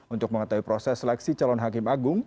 untuk mengetahui proses seleksi calon hakim agung